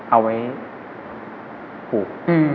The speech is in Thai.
เอาไว้ผูก